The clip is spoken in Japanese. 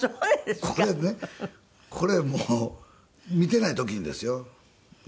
これねこれもう見てない時にですよ。